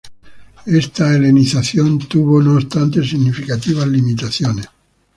Esta helenización tuvo, no obstante, significativas limitaciones.